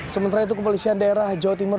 sementara itu kepolisian daerah jawa timur